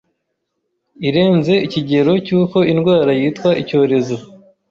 irenze ikigero cy'uko indwara yitwa icyorezo.